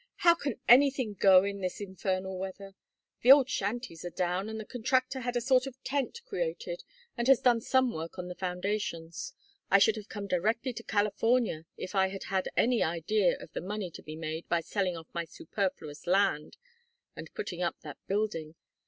"How can anything go in this infernal weather? The old shanties are down, and the contractor had a sort of tent erected and has done some work on the foundations. I should have come directly to California if I had had any idea of the money to be made by selling off my superfluous land and putting up that building.